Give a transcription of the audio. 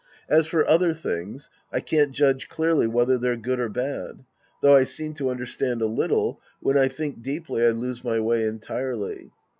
As for other things, I can't judge clearly whether they're good or bad. Though I seem to understand a little, when I think deeply I lose my way entirely.